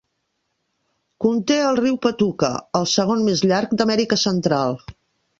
Conté el riu Patuca, el segon més llarg d'Amèrica Central.